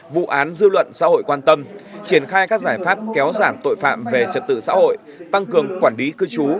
vụ án dư luận xã hội quan tâm triển khai các giải pháp kéo giảm tội phạm về trật tự xã hội tăng cường quản lý cư trú